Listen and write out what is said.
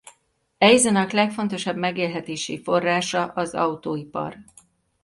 Eisenach legfontosabb megélhetési forrása az autóipar.